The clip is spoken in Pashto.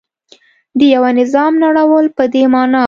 د یوه نظام نړول په دې معنا و.